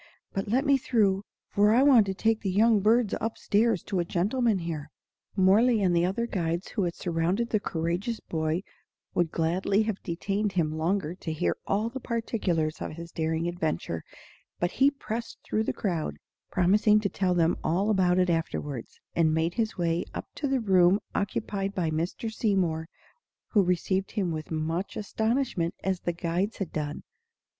But let me through, for I want to take the young birds up stairs to a gentleman here." Mohrle and the other guides who had surrounded the courageous boy would gladly have detained him longer to hear all the particulars of his daring adventure; but he pressed through the crowd, promising to tell them all about it afterward, and made his way up to the room occupied by Mr. Seymour, who received him with as much astonishment as the guides had done.